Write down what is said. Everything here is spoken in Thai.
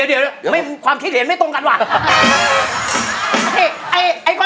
เดี๋ยวความคิดเห็นไม่ตรงกันว่ะ